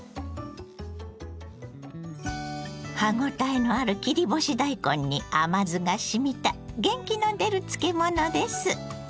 歯ごたえのある切り干し大根に甘酢がしみた元気の出る漬物です。